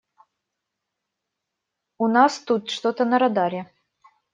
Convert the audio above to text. У нас тут что-то на радаре.